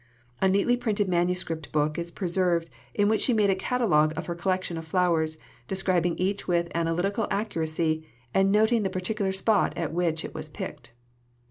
A neatly printed manuscript book is preserved, in which she made a catalogue of her collection of flowers, describing each with analytical accuracy, and noting the particular spot at which it was picked.